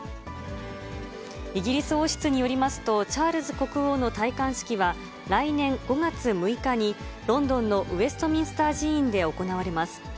イギリス王室によりますと、チャールズ国王の戴冠式は、来年５月６日に、ロンドンのウェストミンスター寺院で行われます。